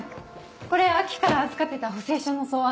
これ亜季から預かってた補正書の草案。